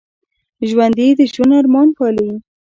ژوندي د ژوند ارمان پالي